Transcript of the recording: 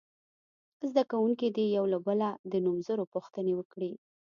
زده کوونکي دې یو له بله د نومځرو پوښتنې وکړي.